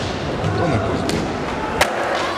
То не по злобі я.